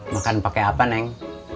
makan pake apa neng